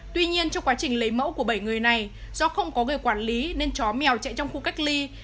tuy nhiên trong quá trình lấy mẫu của bảy người này do không có người quản lý nên chó mèo chạy trong khu cách ly